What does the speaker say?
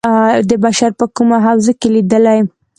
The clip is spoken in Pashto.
د بشر په کومه حوزه کې لېدلي.